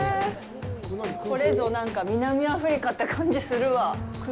これぞなんか南アフリカって感じするわ。